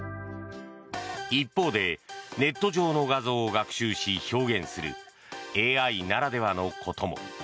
一方で、ネット上の画像を学習し表現するＡＩならではのことも。